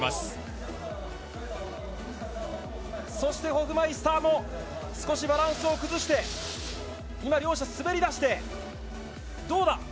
そして、ホフマイスターも少しバランスを崩して、今、両者滑りだして、どうだ？